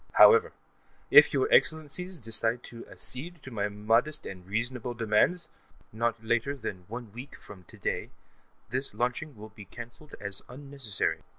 However, if your Excellencies decide to accede to my modest and reasonable demands, not later than one week from today, this test launching will be cancelled as unnecessary.